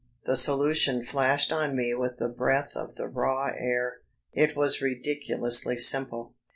The solution flashed on me with the breath of the raw air. It was ridiculously simple.